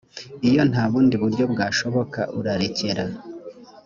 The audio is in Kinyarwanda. iyo nta bundi buryo bwashoboka urarekera